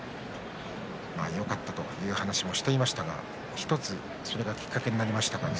よかったという話もしていましたが１つ、それがきっかけになりましたかね。